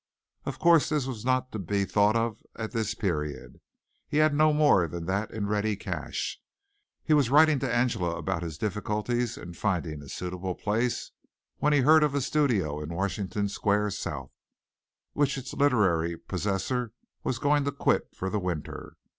Of course this was not to be thought of at this period. He had no more than that in ready cash. He was writing to Angela about his difficulties in finding a suitable place, when he heard of a studio in Washington Square South, which its literary possessor was going to quit for the winter.